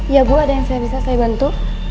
ya bu ada yang saya bisa saya bantu